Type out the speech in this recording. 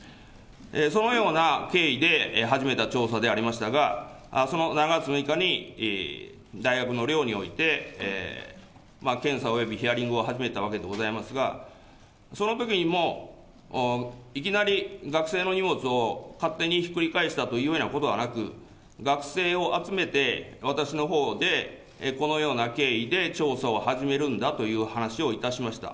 そのような経緯で始めた調査でありましたが、その７月６日に大学の寮において検査およびヒアリングを始めたわけでございますが、そのときにもいきなり、学生の荷物を勝手にひっくり返したというようなことはなく、学生を集めて、私のほうでこのような経緯で調査を始めるんだという話をいたしました。